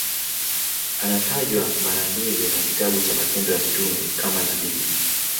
Anatajwa mara mbili na kitabu cha Matendo ya Mitume kama nabii.